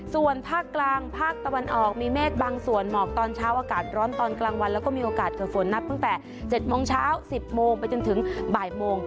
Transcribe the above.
ส่วนภาคกลางภาคตะวันออกมีเมฆบางส่วนหมอกตอนเช้าอากาศร้อนตอนกลางวันแล้วก็มีโอกาสเกิดฝนนับตั้งแต่๗โมงเช้า๑๐โมงไปจนถึงบ่ายโมง